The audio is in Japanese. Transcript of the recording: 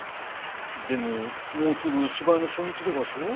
でももうすぐ芝居の初日でがしょ？